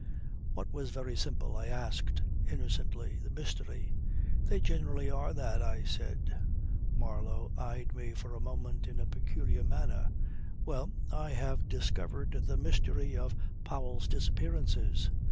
"What was very simple?" I asked innocently. "The mystery." "They generally are that," I said. Marlow eyed me for a moment in a peculiar manner. "Well, I have discovered the mystery of Powell's disappearances.